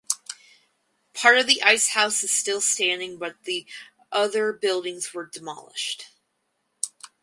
Part of the ice house is still standing but the other buildings were demolished.